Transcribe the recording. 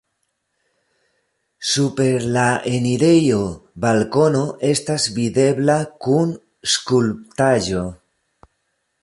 Super la enirejo balkono estas videbla kun skulptaĵo.